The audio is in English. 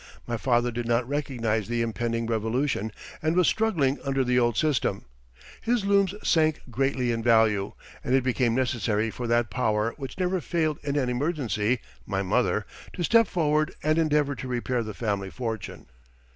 My father did not recognize the impending revolution, and was struggling under the old system. His looms sank greatly in value, and it became necessary for that power which never failed in any emergency my mother to step forward and endeavor to repair the family fortune.